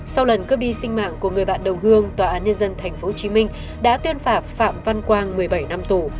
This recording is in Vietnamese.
sau lần cướp đi sinh mạng của người bạn đồng hương tòa án nhân dân tp hcm đã tuyên phạt phạm văn quang một mươi bảy năm tù